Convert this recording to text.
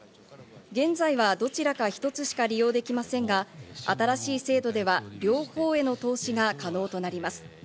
現在はどちらか１つしか利用できませんが、新しい制度では両方への投資が可能となります。